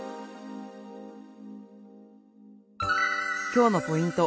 今日のポイント